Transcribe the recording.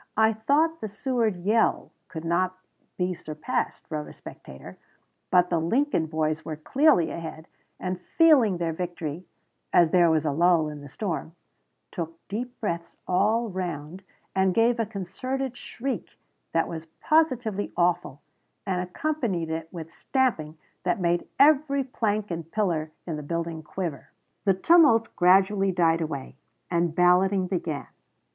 "I thought the Seward yell could not be surpassed," wrote a spectator; "but the Lincoln boys were clearly ahead, and, feeling their victory, as there was a lull in the storm, took deep breaths all round, and gave a concentrated shriek that was positively awful, and accompanied it with stamping that made every plank and pillar in the building quiver." The tumult gradually died away, and balloting began.